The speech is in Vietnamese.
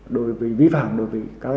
đối với vĩ phạm đối với các cái cả nhân tổ chức